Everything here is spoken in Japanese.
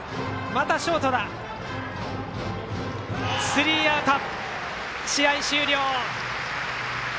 スリーアウト、試合終了。